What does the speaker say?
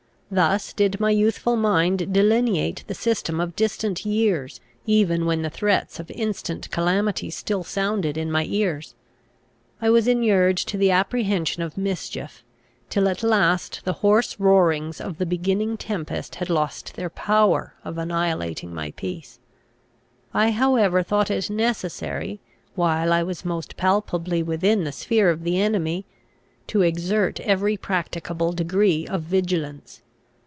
Thus did my youthful mind delineate the system of distant years, even when the threats of instant calamity still sounded in my ears. I was inured to the apprehension of mischief, till at last the hoarse roarings of the beginning tempest had lost their power of annihilating my peace. I however thought it necessary, while I was most palpably within the sphere of the enemy, to exert every practicable degree of vigilance.